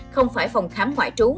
không phải phòng khám ngoại trú